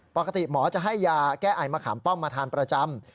ปกติหมอจะให้ยาแก้ไอมะขามป้อมมาทานประจำ